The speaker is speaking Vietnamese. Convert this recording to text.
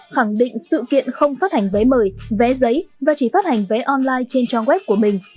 khẳng định sự kiện không phát hành vé mời vé giấy và chỉ phát hành vé online trên trang web của mình